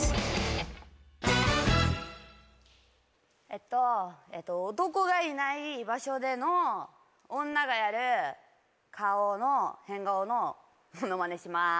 えっと男がいない場所での女がやる顔の変顔のモノマネします。